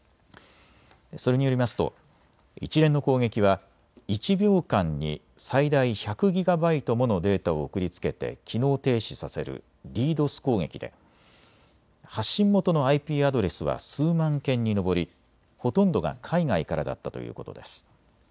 それによりますと一連の攻撃は１秒間に最大１００ギガバイトものデータを送りつけて機能停止させるＤＤｏｓ攻撃で発信元のＩＰアドレスは数万件に上り、ほとんどが海外からだったということです。